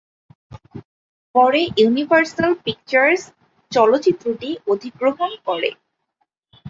পরে Universal Pictures চলচ্চিত্রটি অধিগ্রহণ করে।